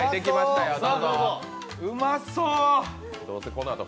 うまそう！